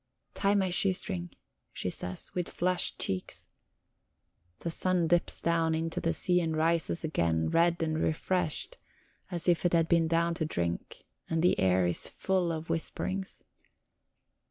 "Tie my shoe string," she says, with flushed cheeks. ... The sun dips down into the sea and rises again, red and refreshed, as if it had been to drink. And the air is full of whisperings.